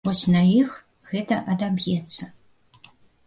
Вось на іх гэта адаб'ецца.